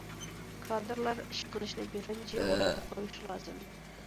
كادىرلار ئىش قىلىشنى بىرىنچى ئورۇنغا قويۇشى لازىم.